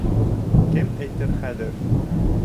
Кем әйтер хәҙер?